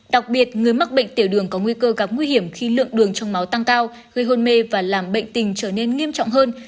đặc biệt người mắc bệnh tiểu đường có nguy cơ gặp nguy hiểm khi lượng đường trong máu tăng cao gây hôn mê và làm bệnh tình trở nên nghiêm trọng hơn